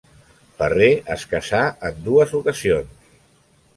Ferrer es casà en dues ocasions.